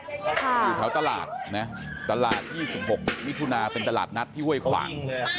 อยู่แถวตลาดนะตลาด๒๖มิถุนาเป็นตลาดนัดที่ห้วยขวาง